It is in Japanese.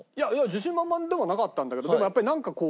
自信満々ではなかったんだけどでもやっぱりなんかこう。